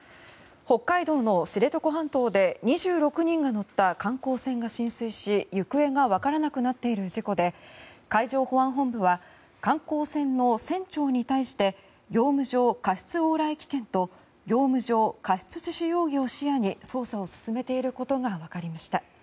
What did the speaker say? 北海道の知床半島で２６人が乗った観光船が浸水し行方がわからなくなっている事故で海上保安本部は観光船の船長に対して業務上過失往来危険と業務上過失致死容疑を視野に捜査を進めていることがわかりました。